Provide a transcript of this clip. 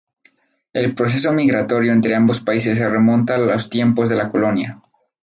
El proceso migratorio entre ambos países se remonta a los tiempos de la colonia.